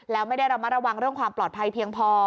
แล้วไม่ได้ระมัดระวังเรื่องความปลอดภัยเพียงพอ